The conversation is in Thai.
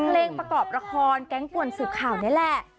เพลงประกอบละครแก๊งป่วนสืบข่าวนี่แหละ